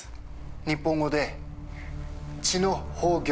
日本語で血の宝玉。